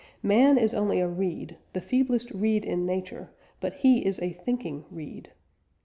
"Man is only a reed, the feeblest reed in nature, but he is a thinking reed."